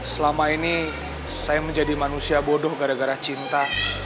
selama ini saya menjadi manusia bodoh gara gara cinta